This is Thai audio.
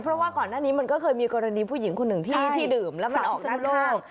เพราะว่าก่อนหน้านี้มันก็เคยมีกรณีผู้หญิงคนหนึ่งที่ดื่มแล้วมันออกนอก